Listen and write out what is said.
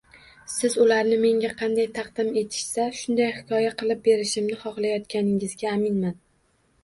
Siz ularni menga qanday taqdim etishsa shunday hikoya qilib berishimni xohlayotganingizga aminman